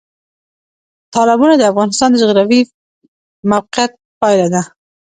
تالابونه د افغانستان د جغرافیایي موقیعت پایله ده.